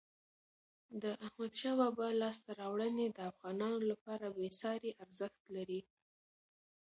د احمد شاه بابا لاسته راوړني د افغانانو لپاره بېساری ارزښت لري.